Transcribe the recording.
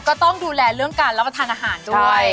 ก็ต้องดูแลเรื่องการรับประทานอาหารด้วย